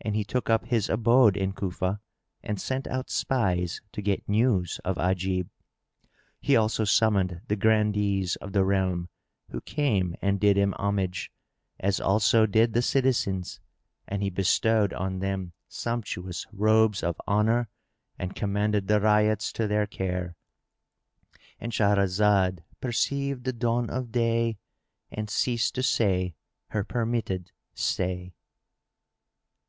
And he took up his abode in Cufa and sent out spies to get news of Ajib. He also summoned the Grandees of the realm, who came and did him homage; as also did the citizens and he bestowed on them sumptuous robes of honour and commended the Ryots to their care.——And Shahrazad perceived the dawn of day and ceased to say her permitted say.